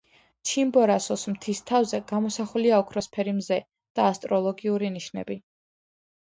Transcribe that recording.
ჩიმბორასოს მთის თავზე გამოსახულია ოქროსფერი მზე და ასტროლოგიური ნიშნები.